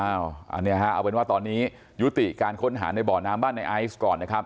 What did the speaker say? อันนี้ฮะเอาเป็นว่าตอนนี้ยุติการค้นหาในบ่อน้ำบ้านในไอซ์ก่อนนะครับ